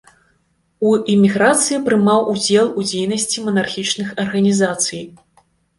У эміграцыі прымаў удзел у дзейнасці манархічных арганізацый.